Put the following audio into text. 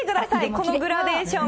このグラデーション。